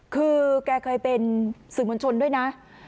คือแกเคยเป็นสื่อมวลชนด้วยนะ